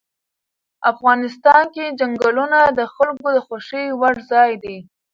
افغانستان کې چنګلونه د خلکو د خوښې وړ ځای دی.